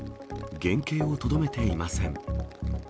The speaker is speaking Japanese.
原形をとどめていません。